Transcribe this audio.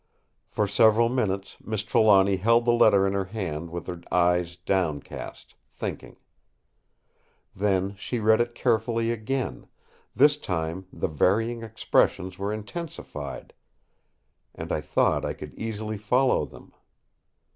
For several minutes Miss Trelawny held the letter in her hand with her eyes downcast, thinking. Then she read it carefully again; this time the varying expressions were intensified, and I thought I could easily follow them.